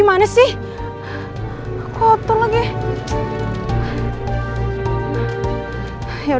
itu mereka yang bening puas horang